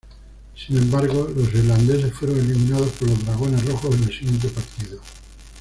Sin embargo los irlandeses fueron eliminados por los Dragones rojos en el siguiente partido.